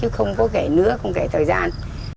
không có kể nữa không kể thời gian